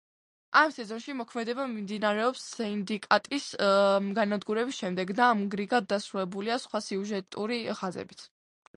ამ სეზონში მოქმედება მიმდინარეობს სინდიკატის განადგურების შემდეგ და, ამრიგად, დასრულებულია სხვა სიუჟეტური ხაზებიც.